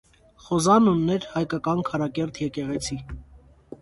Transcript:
Խոզանն ուներ հայկական քարակերտ եկեղեցի։